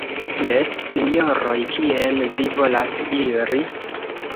Jes, Sinjoroj, kien vi volas iri?